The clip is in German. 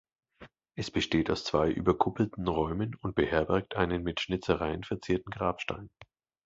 Es besteht aus zwei überkuppelten Räumen und beherbergt einen mit Schnitzereien verzierten Grabstein.